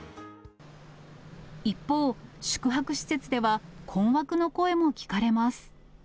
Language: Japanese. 一方、宿泊施設では、困惑の声も聞かれます。